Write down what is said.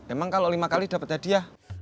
emang kalo lima kali dapet tadi ya